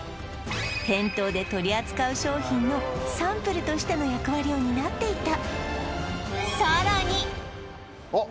店頭で取り扱う商品のサンプルとしての役割を担っていたあっ